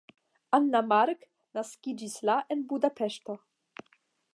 Anna Mark naskiĝis la en Budapeŝto.